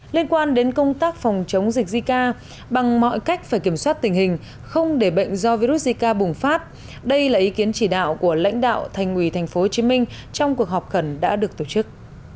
liên quan đến công tác phòng chống dịch zika bằng mọi cách phải kiểm soát tình hình không để bệnh do virus zika bùng phát đây là ý kiến chỉ đạo của lãnh đạo thành ủy tp hcm trong cuộc họp khẩn đã được tổ chức